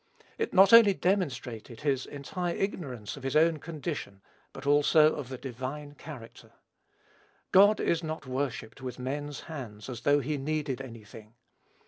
It not only demonstrated his entire ignorance of his own condition, but also of the divine character. "God is not worshipped with men's hands as though he needed any thing."